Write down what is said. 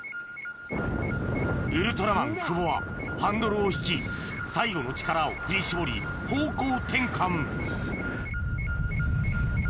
ウルトラマン久保はハンドルを引き最後の力を振り絞り方向転換